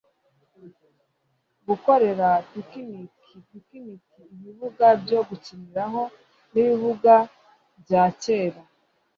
gukorera pikiniki picnic ibibuga byo gukiniraho n ibibuga byakera